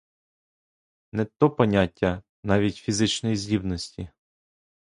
Не то поняття — навіть фізичної здібності.